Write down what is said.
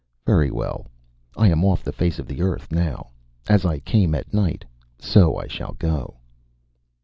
Very well, I am off the face of the earth now. As I came at night so I shall go."